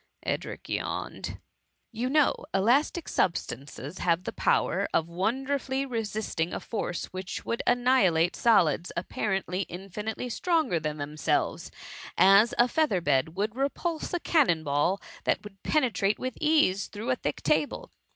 ^ (Edric yawne^.) You know, elastic substances have the power of won derfully resisting a force which would annihilate solids, apparently infinitely stronger than them selves, as a feather bed will repulse a cannon ball that would penetrate with ease through a thick table.